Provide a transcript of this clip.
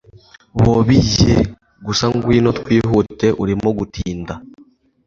bobi yeah! gusa ngwino twihute urimo gutinda